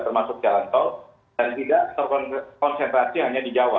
termasuk jalan tol dan tidak terkonsentrasi hanya di jawa